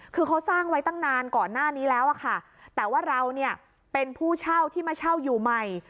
คือเขาสร้างไว้ตั้งนานก่อนหน้านี้แล้วอะค่ะแต่ว่าเราเนี่ยเป็นผู้เช่าที่มาเช่าอยู่ใหม่